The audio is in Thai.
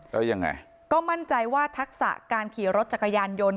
แล้วยังไงก็มั่นใจว่าทักษะการขี่รถจักรยานยนต์